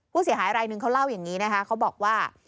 ผู้เสียหายรายนึงเขาเล่าอย่างนี้นะคะเขาบอกว่า